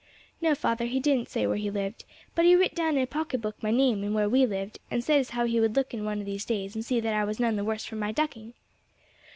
"No, father. He didn't say where he lived; but he writ down in a pocket book my name and where we lived, and said as how he would look in one of these days and see that I was none the worse for my ducking."